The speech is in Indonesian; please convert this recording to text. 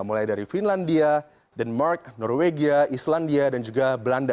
mulai dari finlandia denmark norwegia islandia dan juga belanda